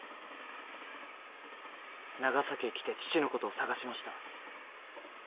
長崎へ来て父のことを探しました。